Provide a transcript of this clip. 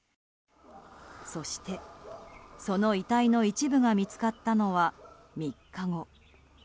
そして、その遺体の一部が見つかったのは３日後。